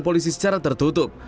polisi secara tertutup